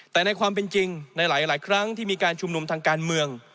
แต่ในความเป็นจริงในหลายครั้งที่มีการชุมนุมทางการเมือง